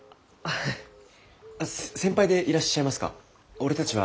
俺たちは。